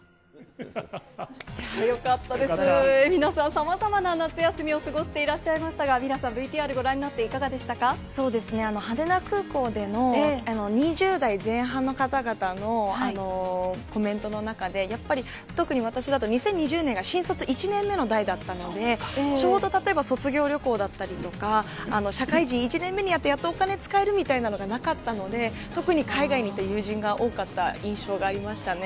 さまざまな夏休みを過ごしていらっしゃいましたが、ＶＴＲご覧にそうですね、羽田空港での２０代前半の方々のコメントの中で、やっぱり特に私だと２０２０年が新卒１年目の代だったので、ちょうど例えば卒業旅行だったりとか、社会人１年目になってやっとお金使えるみたいなのがなかったので、特に海外に行った友人が多かった印象がありましたね。